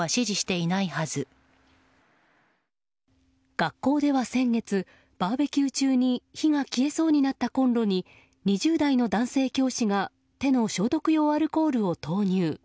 学校では先月バーベキュー中に火が消えそうになったコンロに２０代の男性教師が手の消毒用アルコールを投入。